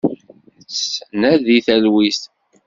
Nettnadi talwit.